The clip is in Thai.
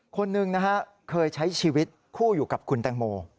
คนหนึ่งนะฮะเคยใช้ชีวิตคู่อยู่กับคุณแตงโม